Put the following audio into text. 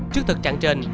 trước thực trạng trên